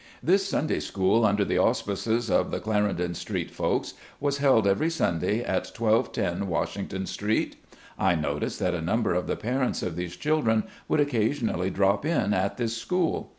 This Sunday School, under the auspices of the Clar endon Street folks, was held every Sunday at 12 10 Washington Street. I noticed that a number of the parents of these children would occasionally drop in at this school.